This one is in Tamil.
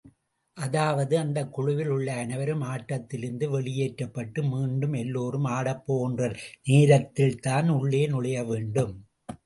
அதாவது, அந்தக் குழுவில் உள்ள அனைவரும் ஆட்டத்திலிருந்து வெளியேற்றப்பட்டு, மீண்டும் எல்லோரும் ஆடப்போகின்ற நேரத்தில்தான் உள்ளே நுழைய வேண்டும்.